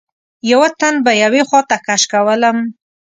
یوه تن به یوې خواته کش کولم.